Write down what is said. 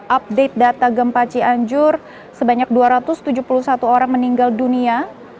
update data gempa cianjur sebanyak dua ratus tujuh puluh satu orang meninggal dunia